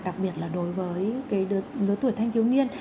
đặc biệt là đối với đứa tuổi thanh chiếu niên